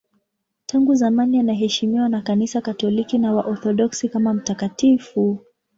Tangu zamani anaheshimiwa na Kanisa Katoliki na Waorthodoksi kama mtakatifu.